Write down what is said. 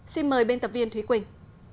xin mời biên tập viên thúy quỳnh